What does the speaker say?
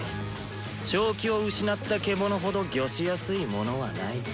正気を失った獣ほど御しやすいものはない。